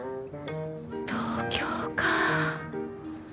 東京か。